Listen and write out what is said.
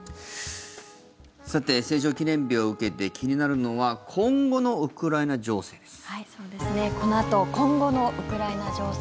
さて、戦勝記念日を受けて気になるのは今後のウクライナ情勢です。